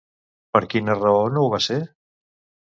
Per quina raó no ho va ser?